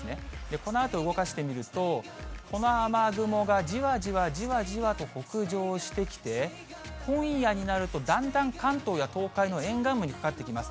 このあと動かしてみると、この雨雲がじわじわじわじわと北上してきて、今夜になるとだんだん関東や東海の沿岸部にかかってきます。